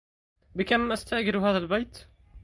بكم أستأجر هذا البيت؟